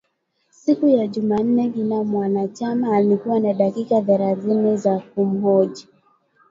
Siku ya jumanne kila mwanachama alikuwa na dakika thelathini za kumhoji